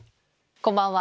こんばんは。